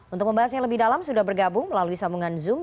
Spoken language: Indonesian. untuk membahasnya lebih dalam sudah bergabung melalui sambungan zoom